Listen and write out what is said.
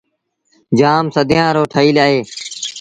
جآم سديآن رو ٺهيٚل اهي۔